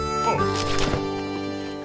あっ。